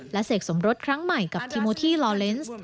เสกสมรสครั้งใหม่กับทีโมทีลอเลนส์